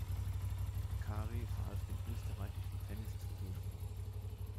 Kary verhalf dem österreichischen Tennis zum Durchbruch.